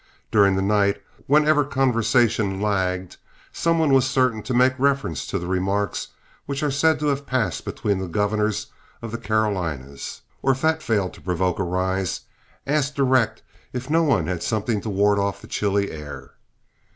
During the night, whenever conversation lagged, some one was certain to make reference to the remarks which are said to have passed between the governors of the Carolinas, or if that failed to provoke a rise, ask direct if no one had something to ward off the chilly air.